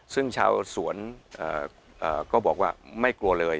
ซึ่งชาวสวนก็บอกว่าไม่กลัวเลย